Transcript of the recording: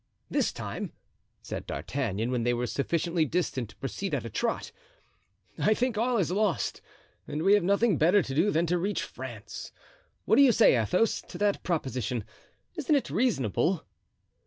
"This time," said D'Artagnan, when they were sufficiently distant to proceed at a trot, "I think all is lost and we have nothing better to do than to reach France. What do you say, Athos, to that proposition? Isn't it reasonable?"